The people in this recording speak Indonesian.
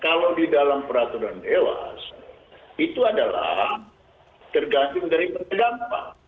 kalau di dalam peraturan dewas itu adalah tergantung daripada dampak